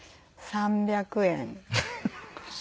３００円？